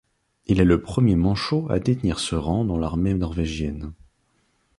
Il est le premier manchot à détenir ce rang dans l'armée norvégienne.